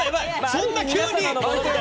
そんな急に！